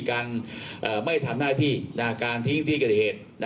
การเอ่อไม่ทำหน้าที่น่ะการทิ้งที่กระเด็นเหตุนะครับ